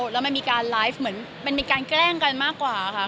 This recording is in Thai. แล้วมันมีการไลฟ์เหมือนมันมีการแกล้งกันมากกว่าค่ะ